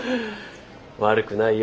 悪くないよ。